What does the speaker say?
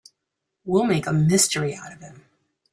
We'll make a mystery out of him.